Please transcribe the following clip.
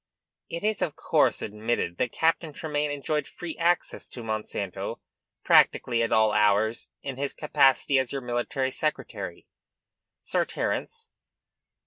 "It is of course admitted that Captain Tremayne enjoyed free access to Monsanto practically at all hours in his capacity as your military secretary, Sir Terence?"